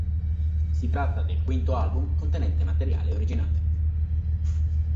Si tratta del quinto album contenente materiale originale.